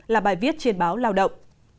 là bài viết trên báo lao động